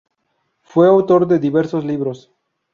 Fue autor de diversos libros.